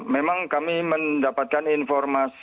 memang kami mendapatkan informasi